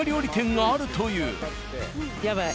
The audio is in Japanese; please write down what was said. やばい。